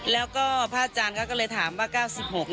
แล้วพ่อจารย์เขาก็ถามว่า๙๖